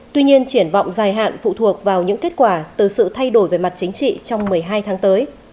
tuy nhiên triển vọng dài hạn phụ thuộc vào những kết quả từ sự thay đổi về mặt chính trị trong một mươi hai tháng tới